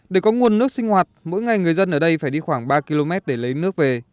để có nguồn nước sinh hoạt mỗi ngày người dân ở đây phải đi khoảng ba km để lấy nước về